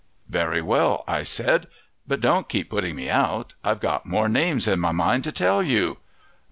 "Very well," I said, "but don't keep putting me out I've got more names in my mind to tell you.